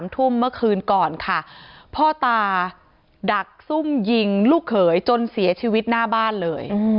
ทุ่มเมื่อคืนก่อนค่ะพ่อตาดักซุ่มยิงลูกเขยจนเสียชีวิตหน้าบ้านเลย